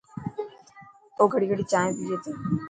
او گڙي گڙي چائين پئي تو.